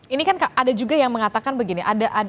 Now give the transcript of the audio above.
ini kan ada juga yang mengatakan begini